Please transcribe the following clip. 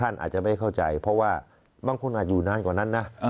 อาจจะไม่เข้าใจเพราะว่าบางคนอาจอยู่นานกว่านั้นนะ